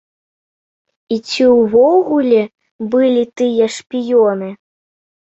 І ці ўвогуле былі тыя шпіёны?